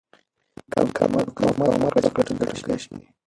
مقاومت وکړه چې ګټونکی شې.